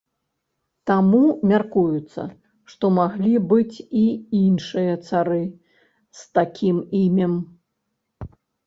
Таму мяркуецца, што маглі быць і іншыя цары з такім імем.